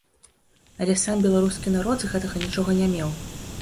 Але сам беларускі народ з гэтага нічога не меў.